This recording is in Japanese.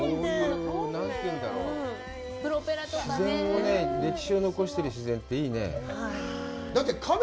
自然を、歴史を残してる自然っていいね。